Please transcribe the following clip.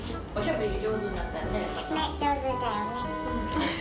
上手だよね。